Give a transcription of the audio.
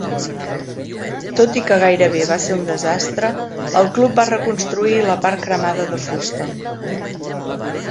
Tot i que gairebé va ser un desastre, el club va reconstruir la part cremada de fusta.